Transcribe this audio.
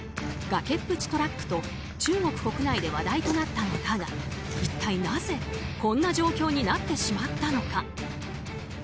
崖っぷちトラックと中国国内で話題となったのだが一体なぜこんな状況になってしまったのか。